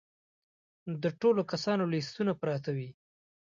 د ټولو کسانو لیستونه پراته وي.